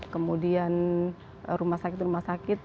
kemudian rumah sakit rumah sakit